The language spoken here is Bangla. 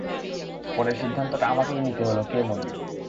পরে, সিদ্ধান্তটা আমাকেই নিতে হলো কে মরবে।